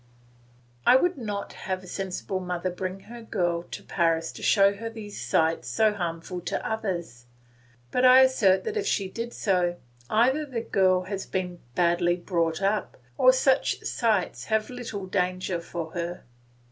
I would not have a sensible mother bring her girl to Paris to show her these sights so harmful to others; but I assert that if she did so, either the girl has been badly brought up, or such sights have little danger for her.